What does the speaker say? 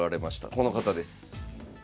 この方です。